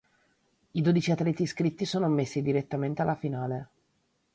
I dodici atleti iscritti sono ammessi direttamente alla finale.